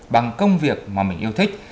bằng công việc mà mình yêu thích